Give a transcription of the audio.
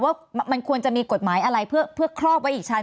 ว่ามันควรจะมีกฎหมายอะไรเพื่อครอบไว้อีกชั้น